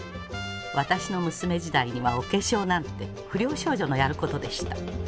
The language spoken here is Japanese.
私の娘時代にはお化粧なんて不良少女のやる事でした。